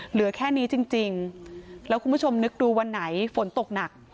เหลือแค่นี้จริงแล้วคุณผู้ชมนึกดูวันไหนฝนตกหนัก